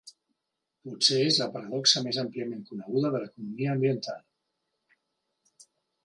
Potser és la paradoxa més àmpliament coneguda de l'economia ambiental.